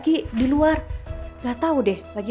aduh luxury lah tuh mbak geki